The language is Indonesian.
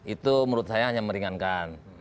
itu menurut saya hanya meringankan